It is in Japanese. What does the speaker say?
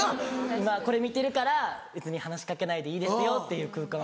今これ見てるから別に話し掛けないでいいですよっていう空間を。